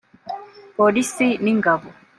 Polisi n’Ingabo